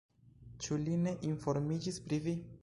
Ĉu li ne informiĝis pri vi?